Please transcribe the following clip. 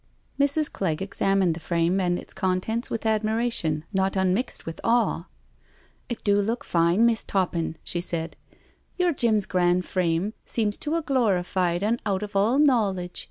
Mrs. Clegg examined the frame and its contents with admiration, not unmixed with awe. It do look fine, Miss' Toppin," she said. " Your Jim's gran' frame seems to a glorified un out of all knowledge.